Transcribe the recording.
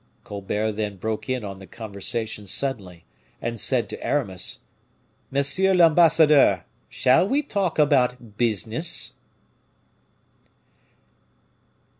Colbert then broke in on the conversation suddenly, and said to Aramis: "Monsieur l'ambassadeur, shall we talk about business?"